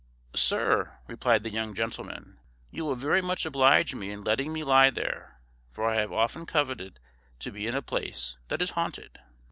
"Sir," replied the young gentleman, "you will very much oblige me in letting me lie there, for I have often coveted to be in a place that is haunted."